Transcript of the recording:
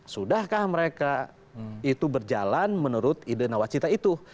sudahkah mereka itu berjalan menurut ide nawacita itu